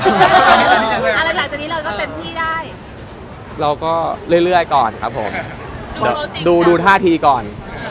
อะไรหลังจากนี้เราก็เต็มที่ได้เราก็เรื่อยเรื่อยก่อนครับผมดูดูทาธิก่อน